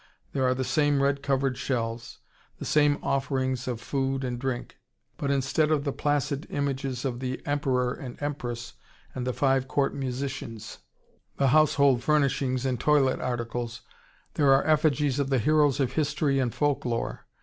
There are the same red covered shelves, the same offerings of food and drink; but instead of the placid images of the Emperor and Empress and the five court musicians, the household furnishings, and toilet articles, there are effigies of the heroes of history and folk lore....